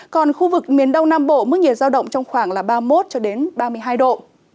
còn khu vực miền đông nam bộ mức nhiệt giao động trong khoảng ba mươi một cho đến ba mươi hai độ